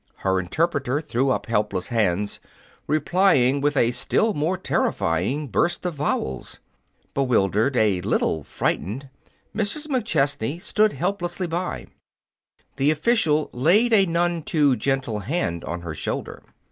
Her interpreter threw up helpless hands, replying with a still more terrifying burst of vowels. Bewildered, a little frightened, Mrs. McChesney stood helplessly by. The official laid a none too gentle hand on her shoulder.